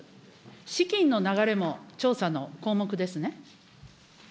資金の流れも調査の項目ですね。